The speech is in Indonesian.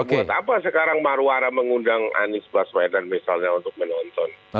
buat apa sekarang marwara mengundang anies baswedan misalnya untuk menonton